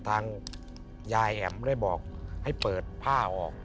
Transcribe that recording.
ทางยายแอ๋มได้บอกให้เปิดผ้าออก